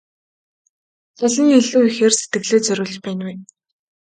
Аль нь илүү ихээр сэтгэлээ зориулж байна вэ?